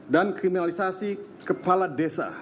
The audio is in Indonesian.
dan kriminalisasi kepala desa